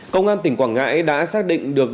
công an tỉnh quảng ngãi đã xác định được